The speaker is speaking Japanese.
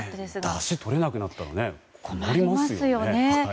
だし取れなくなったら困りますよね。